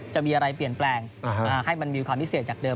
จะมีอะไรเปลี่ยนแปลงให้มันมีความพิเศษจากเดิ